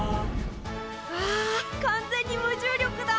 うわ完全に無重力だ。